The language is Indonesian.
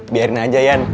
biarin aja yan